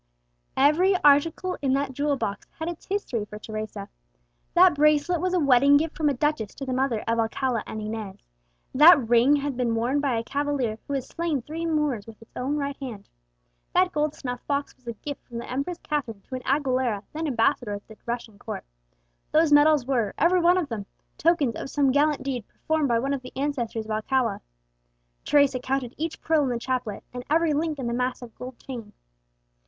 Every article in that jewel box had its history for Teresa. That bracelet was a wedding gift from a duchess to the mother of Alcala and Inez; that ring had been worn by a cavalier who had slain three Moors with his own right hand; that gold snuff box was a gift from the Empress Catherine to an Aguilera then ambassador at the Russian Court; those medals were, every one of them, tokens of some gallant deed performed by one of the ancestors of Alcala. Teresa counted each pearl in the chaplet, and every link in the massive gold chain.